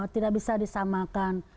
tidak bisa disamakan